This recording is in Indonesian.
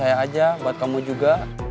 saya aja buat kamu juga